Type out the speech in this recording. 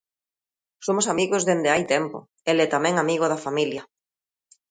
Somos amigos dende hai tempo: el é tamén amigo da familia.